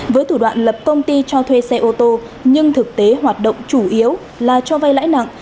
với thủ đoạn lập công ty cho thuê xe ô tô nhưng thực tế hoạt động chủ yếu là cho vay lãi nặng